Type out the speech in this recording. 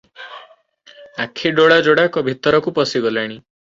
ଆଖି ଡୋଳା ଯୋଡ଼ାକ ଭିତରକୁ ପଶିଗଲାଣି ।